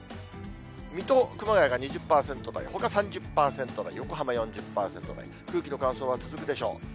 水戸、熊谷が２０％台、ほか３０％台、横浜４０％台、空気の乾燥は続くでしょう。